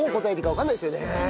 わかんないですね。